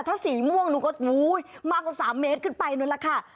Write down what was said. ถ้าสีม่วงหนูก็มากกว่า๓เมตรขึ้นไปนู้นแหละค่ะ